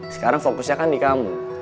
sekarang fokusnya kan di kamu